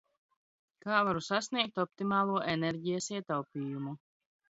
Kā varu sasniegt optimālo enerģijas ietaupījumu?